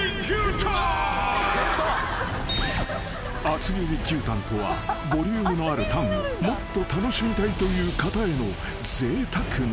［厚切り牛タンとはボリュームのあるタンをもっと楽しみたいという方へのぜいたくなメニュー］